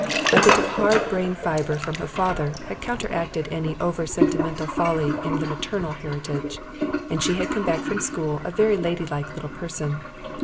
A bit of hard brain fibre from her father had counteracted any over sentimental folly in the maternal heritage. And she came back from school a very ladylike little person.